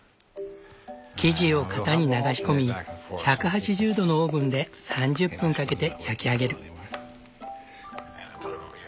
生地を型に流し込み１８０度のオーブンで３０分かけて焼き上げる。